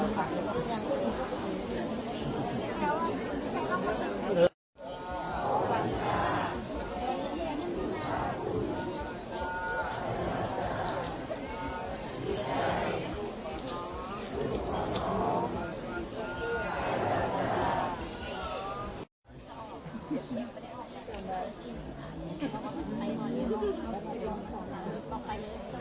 ครับค่ะ